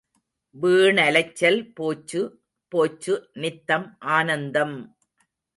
வீணலைச்சல் போச்சு போச்சு நித்தம் ஆனந்தம்!